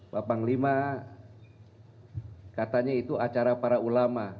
bapak panglima katanya itu acara para ulama